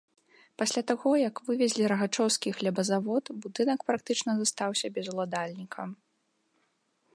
Пасля таго, як вывезлі рагачоўскі хлебазавод, будынак практычна застаўся без уладальніка.